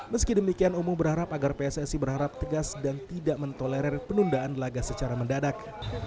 meski demikian umu berharap agar pssi berharap tegas dan tidak mentolerir penundaan laga secara mendadak